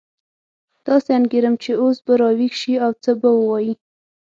داسې انګېرم چې اوس به راویښ شي او څه به ووایي.